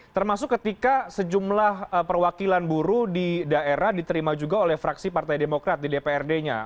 termasuk ketika sejumlah perwakilan buruh di daerah diterima juga oleh fraksi partai demokrat di dprd nya